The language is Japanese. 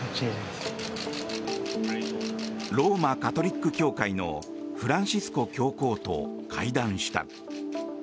ローマ・カトリック教会のフランシスコ教皇と会談した。